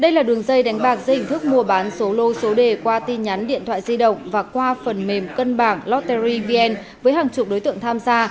đây là đường dây đánh bạc dây hình thức mua bán số lô số đề qua tin nhắn điện thoại di động và qua phần mềm cân bảng lotteryvn với hàng chục đối tượng tham gia